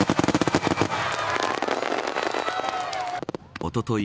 おととい